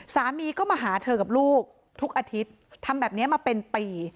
สามีก็มาหาเธอกับลูกทุกอาทิตย์ทำแบบนี้มาเป็นปี